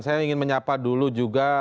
saya ingin menyapa dulu juga